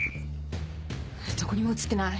どこにも写ってない。